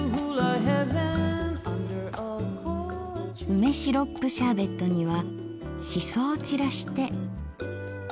梅シロップシャーベットにはしそを散らして。